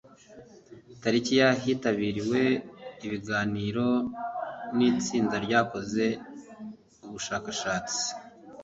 Tariki ya hitabiriwe ibiganiro n itsinda ryakoze ubushakashatsi